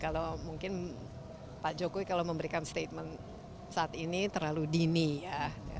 kalau mungkin pak jokowi kalau memberikan statement saat ini terlalu dini ya